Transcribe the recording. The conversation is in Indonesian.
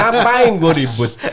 apa yang gue ribut